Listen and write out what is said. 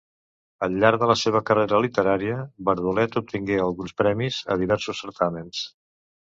Al llarg de la seva carrera literària, Bardolet obtingué alguns premis a diversos certàmens.